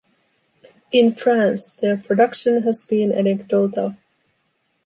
In France, their production has been anecdotal.